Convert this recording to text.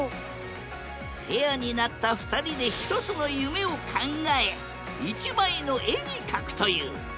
ペアになった２人で１つの夢を考え１枚の絵に描くという。